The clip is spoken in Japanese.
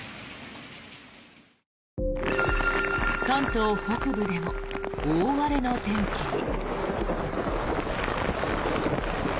関東北部でも大荒れの天気に。